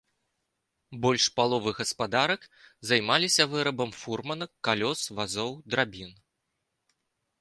Больш паловы гаспадарак займаліся вырабам фурманак, калёс, вазоў драбін.